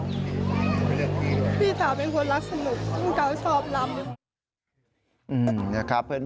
พี่สาวเป็นคนรักสนุกต้องการชอบรำ